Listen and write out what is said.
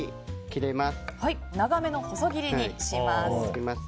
長めの細切りにします。